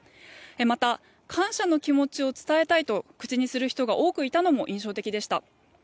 また、感謝の気持ちを伝えたいと口にする人が多くいたのも印象的でした。